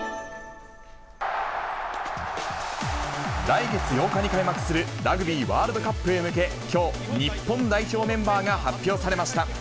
来月８日に開幕するラグビーワールドカップへ向け、きょう、日本代表メンバーが発表されました。